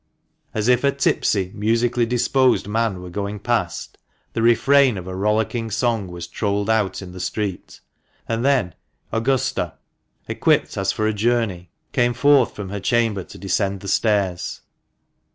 As if a tipsy, musically disposed man were going past, the refrain of a rollicking song was trolled out in the street ; and then Augusta, equipped as for a journey, came forth from her chamber to descend the stairs.